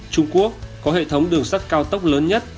trung quốc có hệ thống đường sắt cao tốc lớn nhất